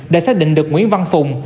đã xác định được nguyễn văn phùng